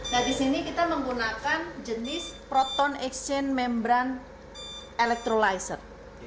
nah di sini kita menggunakan jenis proton exchange membrane electrolyzer